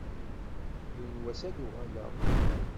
Yiwen n wass ad d-uɣaleɣ.